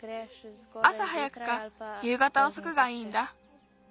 あさ早くかゆうがたおそくがいいんだ。